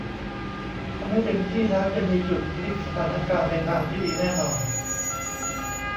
ทำให้เต็มที่แล้วจะมีจุดพลิกสถานการณ์ในทางที่ดีแน่นอน